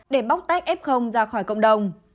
để bóc tách f ra khỏi cộng đồng